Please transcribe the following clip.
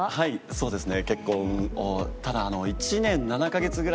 そうですね。